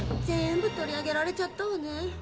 全部取り上げられちゃったわね。